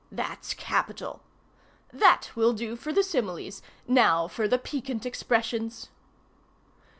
That's capital! That will do for the similes. Now for the Piquant Expressions.